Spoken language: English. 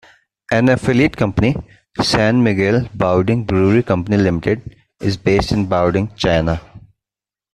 An affiliate company, San Miguel Baoding Brewery Company Limited, is based in Baoding, China.